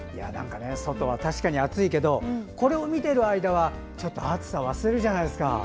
外は確かに暑いけどこれを見ている間は暑さを忘れるじゃないですか。